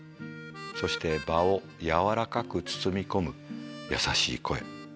そして場を柔らかく包み込む優しい声。